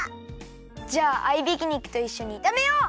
じゃあ合いびき肉といっしょにいためよう！